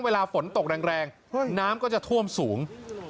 เวลาฝนตกแรงน้ำก็จะท่วมสูง